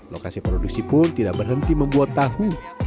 lokasi produksi pun tidak berhenti membuat tahu